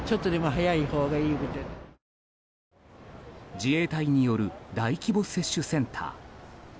自衛隊による大規模接種センター。